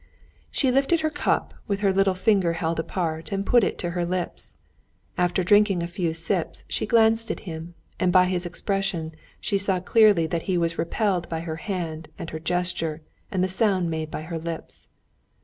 She lifted her cup, with her little finger held apart, and put it to her lips. After drinking a few sips she glanced at him, and by his expression, she saw clearly that he was repelled by her hand, and her gesture, and the sound made by her lips.